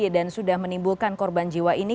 dan sudah menimbulkan korban jiwa ini